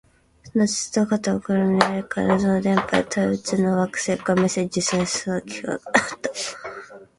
そのうちどこか遠いところ、未来から謎の電波や、遠い宇宙の惑星からメッセージを受信しそうな気配があった